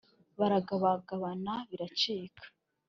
Baragabagabana biracika